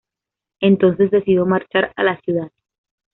Entonces, decidió marchar a la ciudad.